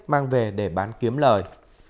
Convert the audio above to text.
mang về để bán kiếm lời